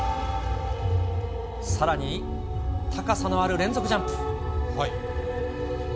さらに、高さのある連続ジャンプ。